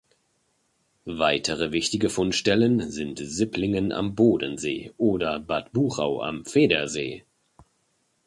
Weitere wichtige Fundstellen sind Sipplingen am Bodensee oder Bad Buchau am Federsee.